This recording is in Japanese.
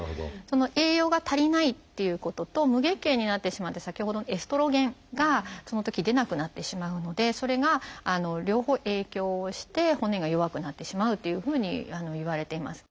栄養が足りないっていうことと無月経になってしまって先ほどのエストロゲンがそのとき出なくなってしまうのでそれが両方影響をして骨が弱くなってしまうというふうにいわれています。